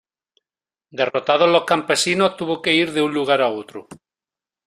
Derrotados los campesinos, tuvo que ir de un lugar a otro.